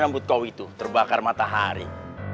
rambut kau itu terbakar matahari